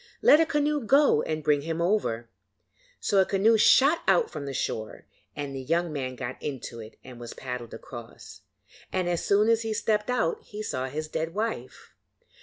'Let a canoe go and bring him over.' So a canoe shot out from the shore, and the young man got into it and was paddled across, and as soon as he stepped out he saw his dead wife.